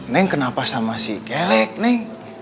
neng kenapa sama si kelek nih